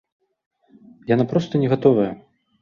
Яна проста не гатовая.